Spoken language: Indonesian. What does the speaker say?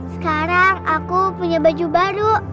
sekarang aku punya baju baru